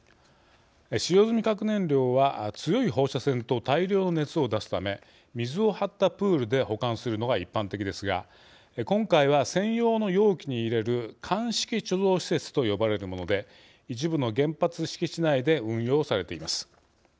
使用済み核燃料は強い放射線と大量の熱を出すため水を張ったプールで保管するのが一般的ですが今回は、専用の容器に入れる乾式貯蔵施設と呼ばれるもので一部の原発敷地内で運用されています。